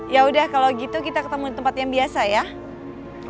ya udah kalau gitu kita ketemu di tempat yang biasa ya